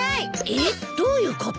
えっ？どういうこと。